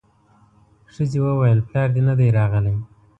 ښځې وويل پلار دې نه دی راغلی.